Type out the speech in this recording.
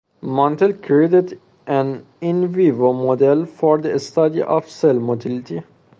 Montell created an "in vivo" model for the study of cell motility.